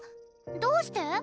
どうして？